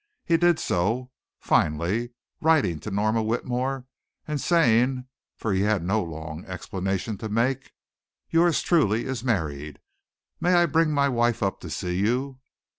He did so, finally, writing to Norma Whitmore and saying, for he had no long explanation to make "Yours truly is married. May I bring my wife up to see you?"